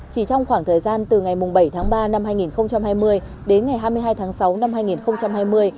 chỉ trong khoảng thời gian từ ngày bảy tháng ba năm hai nghìn hai mươi đến ngày hai mươi hai tháng sáu năm hai nghìn hai mươi